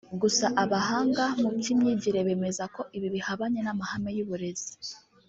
Gusa abahanga mu by’imyigire bemeza ko ibi bihabanye n’amahame y’uburezi